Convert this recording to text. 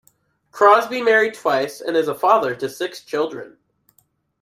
Crosby married twice and is a father to six children.